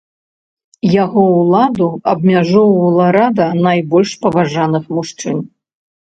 Яго ўладу абмяжоўвала рада найбольш паважаных мужчын.